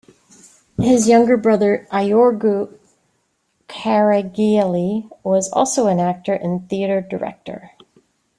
His younger brother Iorgu Caragiale was also an actor and theatre director.